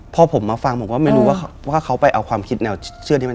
พอผมมาฟังผมก็ไม่รู้ว่าเขาไปเอาความคิดแนวเชื่อที่มัน